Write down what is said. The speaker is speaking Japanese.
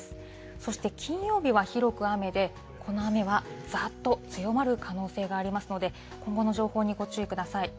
そして、金曜日は広く雨で、この雨はざーっと強まる可能性がありますので、今後の情報にご注意ください。